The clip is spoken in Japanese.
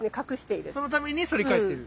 そのために反り返ってる。